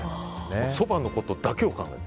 そばのことだけを考えてる。